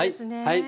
はい。